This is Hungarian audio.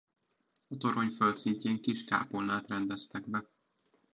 A torony földszintjén kis kápolnát rendeztek be.